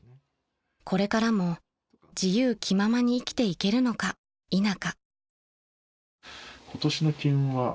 ［これからも自由気ままに生きていけるのか否か］